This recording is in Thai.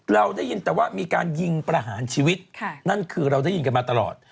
เราได้ยินแต่ว่ามีการยิงประหารชีวิตนั่นคือเราได้ยินกันมาตลอด